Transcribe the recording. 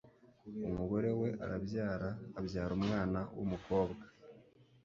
Umugore we arabyara abyara umwana w'umukobwa